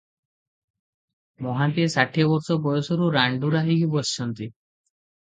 ମହାନ୍ତିଏ ଷାଠିଏ ବର୍ଷ ବୟସରୁ ରାଣ୍ଡୁରା ହୋଇ ବସିଛନ୍ତି ।